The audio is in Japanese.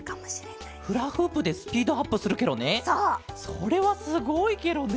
それはすごいケロね。